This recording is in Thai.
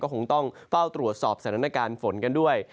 คงต้องเฝ้าตรวจสอบสถานการณ์ฝนกันด้วย